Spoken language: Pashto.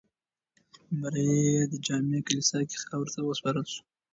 مړی یې د جامع کلیسا کې خاورو ته وسپارل شو.